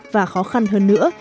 và khó khăn hơn nữa